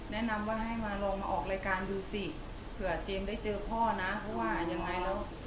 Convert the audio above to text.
แนะนำว่าให้มาลองมาออกรายการดูสิเผื่อเจมส์ได้เจอพ่อนะเพราะว่ายังไงแล้ว